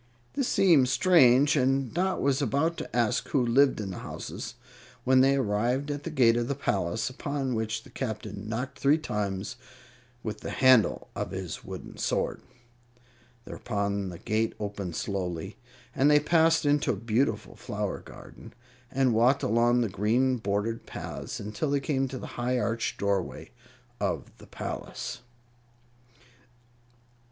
This seemed strange, and Dot was about ask who lived in the houses, when they arrived at the gate of the palace, upon which the Captain knocked three times with the handle of his wooden sword. Thereupon the gate opened slowly, and they passed into a beautiful flower garden, and walked along the green bordered paths until they came to the high arched doorway of the palace.